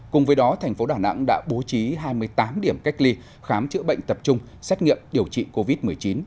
cùng với đó thành phố đà nẵng đã bố trí hai mươi tám điểm cách ly khám chữa bệnh tập trung xét nghiệm điều trị covid một mươi chín